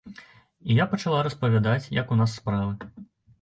І я пачала распавядаць, як у нас справы.